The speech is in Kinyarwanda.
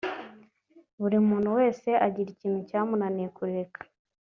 Buri muntu wese agira ikintu cyamunaniye kureka